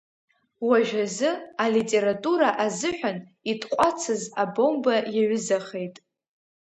Уажәазы, алитература азыҳәан, итҟәацыз абомба иаҩызахеит.